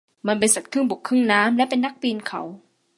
มันเป็นสัตว์ครึ่งบกครึ่งน้ำและเป็นนักปีนเขา